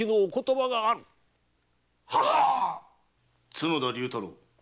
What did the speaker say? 角田竜太郎。